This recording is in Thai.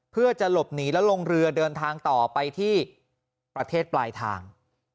เพื่อจะหลบหนีแล้วลงเรือเดินทางต่อไปที่ประเทศปลายทาง